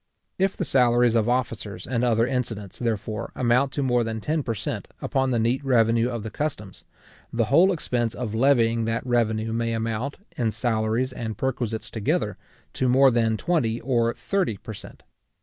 If the salaries of officers, and other incidents, therefore, amount to more than ten per cent. upon the neat revenue of the customs, the whole expense of levying that revenue may amount, in salaries and perquisites together, to more than twenty or thirty per cent.